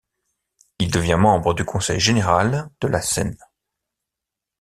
Il devient membre du Conseil général de la Seine.